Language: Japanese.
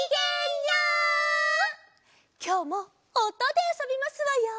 きょうもおとであそびますわよ。